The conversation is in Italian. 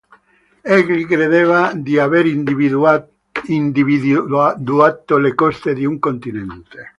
Egli credeva di aver individuato le coste di un continente.